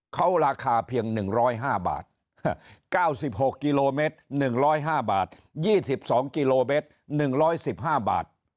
เขาราคาเพียง๑๐๕บาท๙๖กิโลเมตร๑๐๕บาท๒๒กิโลเมตร๑๑๕บาท